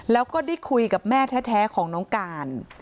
แล้วก็ได้คุยกับแม่แท้ของน้องการ